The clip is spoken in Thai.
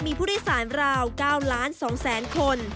มีผู้โดยสารราว๙ล้าน๒แสนคน